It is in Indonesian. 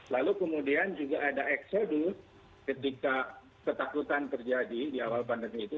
lalu kemudian juga ada exodus ketika ketakutan terjadi di awal pandemi itu